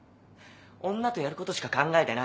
女とやることしか考えてない動物だよ。